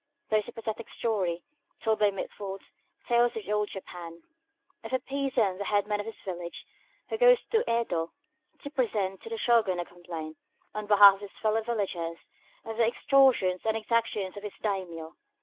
There is a pathetic story, told in Mitford's "Tales of Old Japan," of a peasant, the head man of his village, who goes to Yedo to present to the Shōgun a complaint, on behalf of his fellow villagers, of the extortions and exactions of his daimiō.